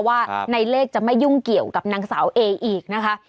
ว่าในเลขจะไม่ยุ่งเกี่ยวกับนางสาวเออีกนะคะ